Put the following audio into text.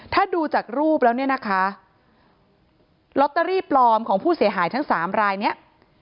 ถ้าดูจากรูปแล้วเนี่ยนะคะลอตเตอรี่ปลอมของผู้เสียหายทั้งสามรายเนี่ย